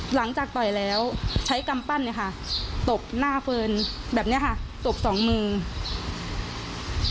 ต่อยแล้วใช้กำปั้นเนี่ยค่ะตบหน้าเฟิร์นแบบเนี้ยค่ะตบสองมือ